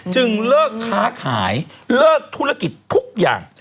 เลิกค้าขายเลิกธุรกิจทุกอย่าง